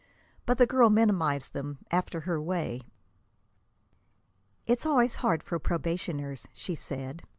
But the girl minimized them, after her way. "It's always hard for probationers," she said.